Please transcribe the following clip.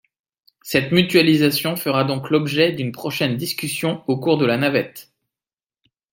Cette mutualisation fera donc l’objet d’une prochaine discussion au cours de la navette.